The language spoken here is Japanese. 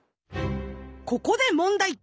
ここで問題。